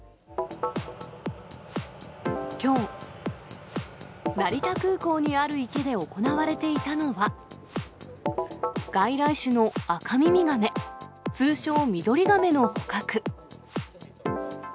きょう、成田空港にある池で行われていたのは。外来種のアカミミガメ、通称、ミドリガメの捕獲。